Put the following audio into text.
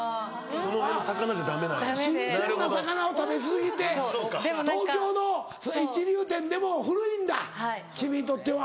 ・あぁ・あっ新鮮な魚を食べ過ぎて東京の一流店でも古いんだ君にとっては。